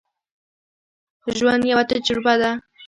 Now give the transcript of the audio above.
ژوند یوه تجربه ده.